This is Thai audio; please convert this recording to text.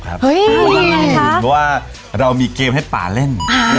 เพราะว่าเรามีเกมให้ป่าเล่น